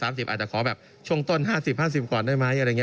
อาจจะขอแบบช่วงต้น๕๐๕๐ก่อนได้ไหมอะไรอย่างนี้